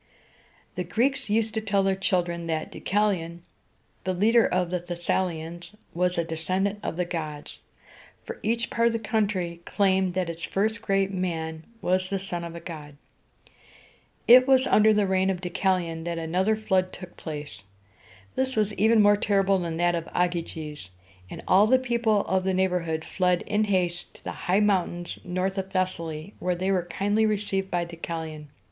The Greeks used to tell their children that Deu ca´li on, the leader of the Thes sa´li ans, was a descendant of the gods, for each part of the country claimed that its first great man was the son of a god. It was under the reign of Deucalion that another flood took place. This was even more terrible than that of Ogyges; and all the people of the neighborhood fled in haste to the high mountains north of Thes´sa ly, where they were kindly received by Deucalion.